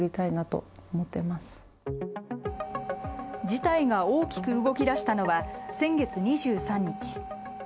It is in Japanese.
事態が大きく動きだしたのは先月２３日。